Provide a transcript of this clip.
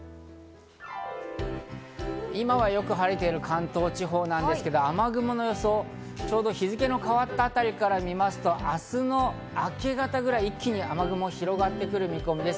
今はよく晴れている関東地方ですが雨雲の予想、日付が変わったあたりからみますと、明日の明け方ぐらいに一気に雨雲が広がってくる見込みです。